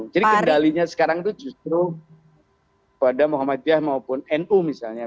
jadi kendalinya sekarang itu justru pada muhammadiyah maupun nu misalnya